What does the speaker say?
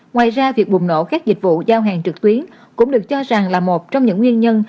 ngoài ra việc bùng nổ các dịch vụ giao hàng trực tuyến cũng được cho rằng là một trong những nguyên nhân